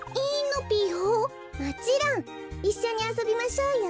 もちろん！いっしょにあそびましょうよ。